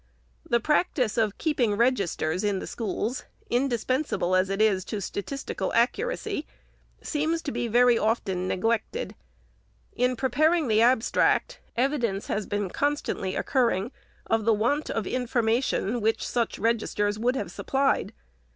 The practice of keeping registers in the schools, indispensable as it is to statistical accuracy, seems to be very often neglected. In preparing the ab stract, evidence has been constantly occurring of the want of information, which such registers would have supplied.